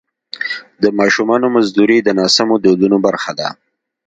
د ماشومانو مزدوري د ناسمو دودونو برخه ده.